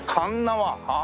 はあ。